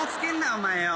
お前よぉ！